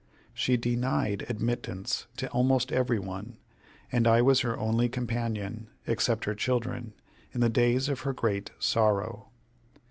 She denied admittance to almost every one, and I was her only companion, except her children, in the days of her great sorrow.